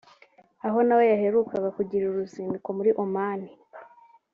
aho nawe yaherukaga kugirira uruzinduko muri Oman